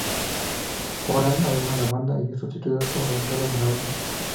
Orange abandona la banda y es sustituido por Gonzalo de la Osa.